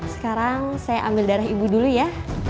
sekarang saya ambil darah ibu dulu ya